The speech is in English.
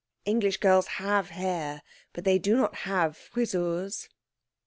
English girls have hair, but they do not have Frisurs."